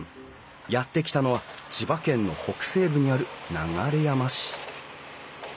やって来たのは千葉県の北西部にある流山市。